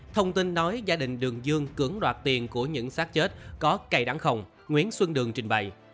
thông tin nói gia đình đường dương cứng đoạt tiền của những sát chết có cây đắng không nguyễn xuân đường trình bày